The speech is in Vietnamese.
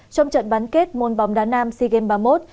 trong trận bán kết môn bóng đá nam sea games ba mươi một